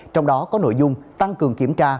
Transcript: trong đó có nội dung tăng cường kiểm tra